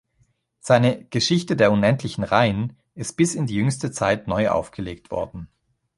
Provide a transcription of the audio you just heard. Seine "Geschichte der unendlichen Reihen" ist bis in jüngste Zeit neu aufgelegt worden.